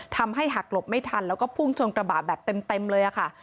ทำให้หักหลบไม่ทันแล้วก็พุ่งชนกระบะแบบเต็มเลยค่ะ